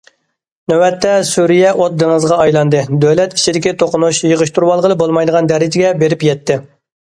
نۆۋەتتە سۈرىيە ئوت دېڭىزىغا ئايلاندى، دۆلەت ئىچىدىكى توقۇنۇش يىغىشتۇرۇۋالغىلى بولمايدىغان دەرىجىگە بېرىپ يەتتى.